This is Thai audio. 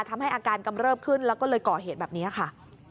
ทำให้อาการกำเริบขึ้นแล้วก็เลยก่อเหตุแบบนี้ค่ะ